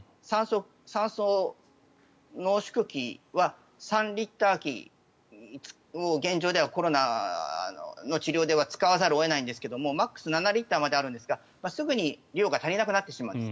酸素濃縮器は３リットル器を現状ではコロナの治療では使わざるを得ないんですがマックス７リットルまであるんですがすぐに量が足りなくなってしまいます。